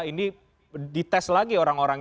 ini dites lagi orang orang